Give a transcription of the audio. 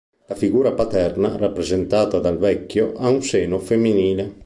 La figura paterna rappresentata dal vecchio, ha un seno femminile.